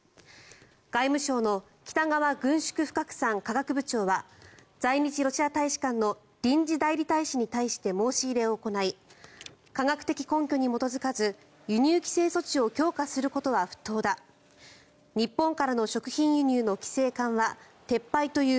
外務省の北川軍縮不拡散・科学部長は在日ロシア大使館の臨時代理大使に対して申し入れを行い科学的根拠に基づかず輸入規制措置を強化することは不当だ日本からの食品輸入の規制緩和、撤廃という